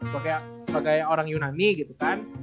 kayak sebagai orang yunani gitu kan